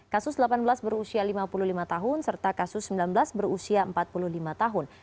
kasus delapan belas berusia lima puluh lima tahun serta kasus sembilan belas berusia empat puluh lima tahun